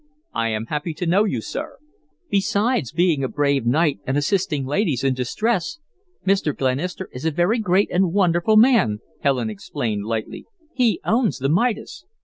"I am happy to know you, sir." "Besides being a brave knight and assisting ladies in distress, Mr. Glenister is a very great and wonderful man," Helen explained, lightly. "He owns the Midas."